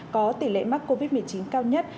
có tỷ lệ mắc covid một mươi chín cao nhất